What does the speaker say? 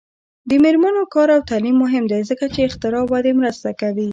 د میرمنو کار او تعلیم مهم دی ځکه چې اختراع ودې مرسته کوي.